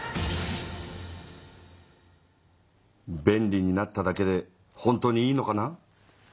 便利になっただけで本当にいいのかな？